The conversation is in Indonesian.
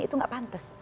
itu enggak pantes